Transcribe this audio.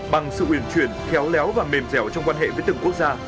bằng sự uyển chuyển khéo léo và mềm dẻo trong quan hệ với từng quốc gia